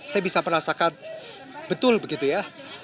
saya bisa merasakan betul begitu ya